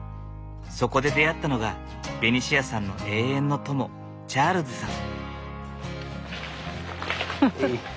そこで出会ったのがベニシアさんの永遠の友チャールズさん。